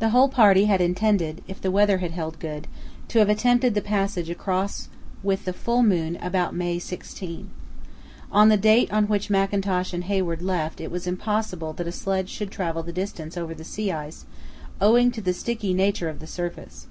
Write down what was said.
The whole party had intended, if the weather had held good, to have attempted the passage across with the full moon about May 16. On the date on which Mackintosh and Hayward left it was impossible that a sledge should travel the distance over the sea ice owing to the sticky nature of the surface.